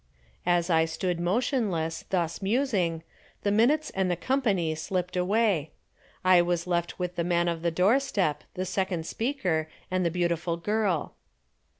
As I stood motionless, thus musing, the minutes and the company slipped away. I was left with the man of the doorstep, the second speaker, and the beautiful girl.